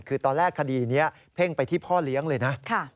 คือตอนแรกคดีนี้เพ่งไปที่พ่อเลี้ยงเลยนะ